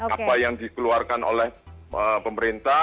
apa yang dikeluarkan oleh pemerintah